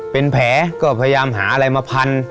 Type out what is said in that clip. เป็นแผลก็พยายามหาอะไรมาพัน